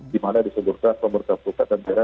di mana disebutkan pemerintah perlukan dan biara